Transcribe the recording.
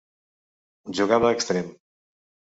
Jugava d'extrem.